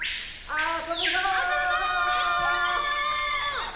あそぶぞ！